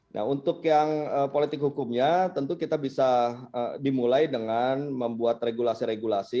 nah untuk yang politik hukumnya tentu kita bisa dimulai dengan membuat regulasi regulasi